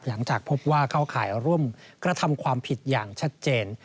หลังจากพบว่าเข้าข่ายร่วมกระทำความผิดอย่างชัดเจน